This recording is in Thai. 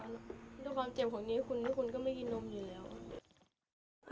ด้วยความเจ็บของนี้คุณทุกคนก็ไม่กินนมอยู่แล้ว